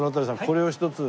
これを１つ。